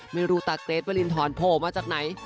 ไม่รู้ตาเกรทวรินทรโผล่มาจากไหน